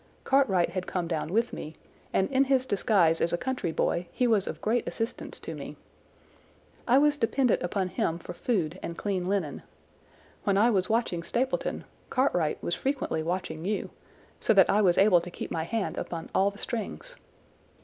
Cartwright had come down with me, and in his disguise as a country boy he was of great assistance to me. I was dependent upon him for food and clean linen. When I was watching Stapleton, Cartwright was frequently watching you, so that I was able to keep my hand upon all the strings.